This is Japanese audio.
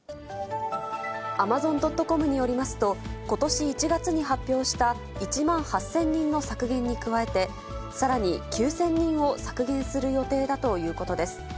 アマゾン・ドット・コムによりますと、ことし１月に発表した１万８０００人の削減に加えて、さらに９０００人を削減する予定だということです。